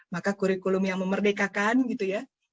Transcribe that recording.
maka kurikulum yang memerdekakan gitu ya